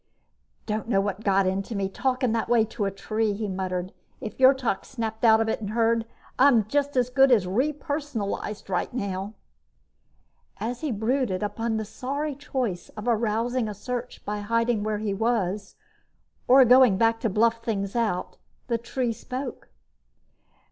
"Don't know what got into me, talking that way to a tree," he muttered. "If Yrtok snapped out of it and heard, I'm as good as re personalized right now." As he brooded upon the sorry choice of arousing a search by hiding where he was or going back to bluff things out, the tree spoke.